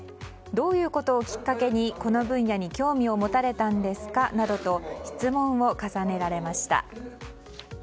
どういうことをきっかけにこの分野に興味を持たれたんですかなどと質問を重ねられました。